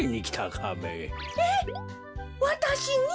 えっわたしに？